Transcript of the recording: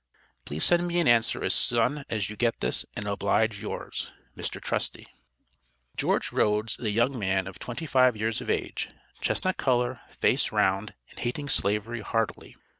Please send me an answer as son as you get this, and, oblige yours, MR TRUSTY. George Rhoads is a young man of twenty five years of age, chestnut color, face round, and hating Slavery heartily.